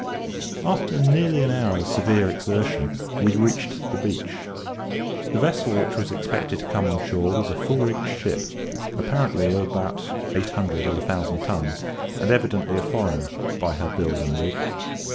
After nearly an hour's severe exertion we reached the beach. The vessel which was expected to come on shore was a full rigged ship, apparently of about eight hundred or a thousand tons, and evidently a foreigner, by her build and rig.